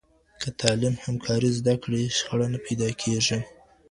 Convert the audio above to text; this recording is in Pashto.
که تعلیم همکاري زده کړي، شخړه نه پیدا کېږي.